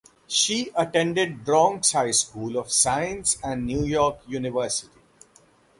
She attended Bronx High School of Science and New York University.